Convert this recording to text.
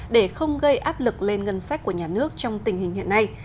để không gây áp lực lên ngân sách của nhà nước trong tình hình hiện nay